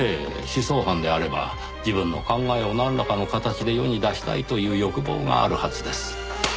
思想犯であれば自分の考えをなんらかの形で世に出したいという欲望があるはずです。